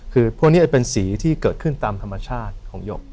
คือพวกนี้เป็นสีที่เกิดขึ้นตามธรรมชาติของหยก